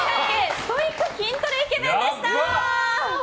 ストイック筋トレイケメンでした。